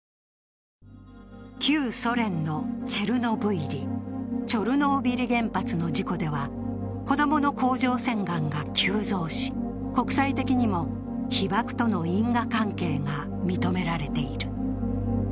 旧ソ連のチェルノブイリ原発の事故では子供の甲状腺がんが急増し、国際的にも被ばくとの因果関係が認められている。